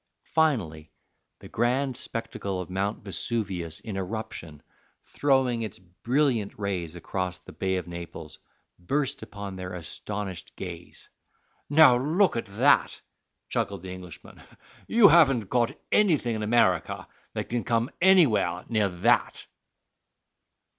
Finally, the grand spectacle of Mount Vesuvius in eruption, throwing its brilliant rays across the Bay of Naples, burst upon their astonished gaze. "Now, look at that," chuckled the Englishman; "you haven't got anything in America that can come anywhere near that."